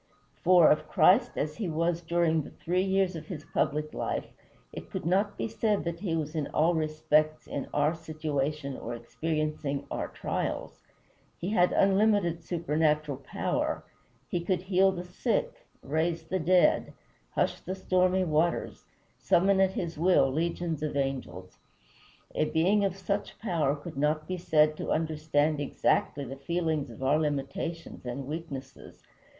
For, of Christ as he was during the three years of his public life, it could not be said that he was in all respects in our situation or experiencing our trials. He had unlimited supernatural power; he could heal the sick, raise the dead, hush the stormy waters, summon at his will legions of angels. A being of such power could not be said to understand exactly the feelings of our limitations and weaknesses.